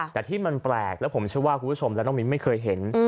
แต่ที่มันแปลกแล้วผมเชื่อว่าคุณผู้ชมและน้องมิ้นไม่เคยเห็น